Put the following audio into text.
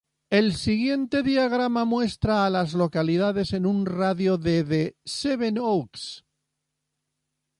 El siguiente diagrama muestra a las localidades en un radio de de Seven Oaks.